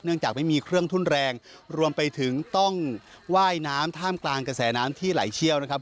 จากไม่มีเครื่องทุ่นแรงรวมไปถึงต้องว่ายน้ำท่ามกลางกระแสน้ำที่ไหลเชี่ยวนะครับ